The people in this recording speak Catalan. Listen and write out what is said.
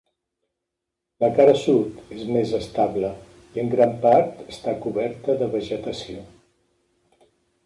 La cara sud és més estable i en gran part està coberta de vegetació.